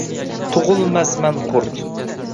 туғилмас манқурт!